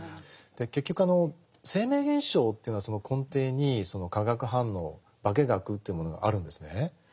結局生命現象というのはその根底にその化学反応化け学というものがあるんですね。